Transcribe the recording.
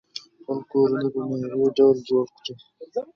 خپل کورونه په معیاري ډول جوړ کړئ.